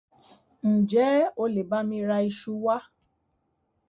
Ǹjẹ́ olè bá mi ra iṣu wá?